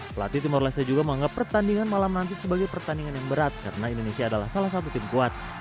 pelatih timor leste juga menganggap pertandingan malam nanti sebagai pertandingan yang berat karena indonesia adalah salah satu tim kuat